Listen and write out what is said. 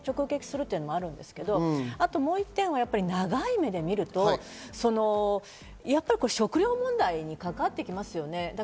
家計を直撃するというのもあるんですけど、もう１点は長い目で見ると食糧問題に関わってきますよね。